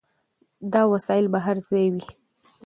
دا وسایل به هر ځای وي.